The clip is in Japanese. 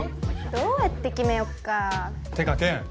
どうやって決めよっかってか健